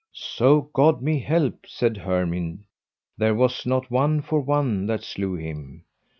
So God me help, said Hermind, there was not one for one that slew him.